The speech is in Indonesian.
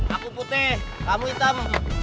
aku putih kamu hitam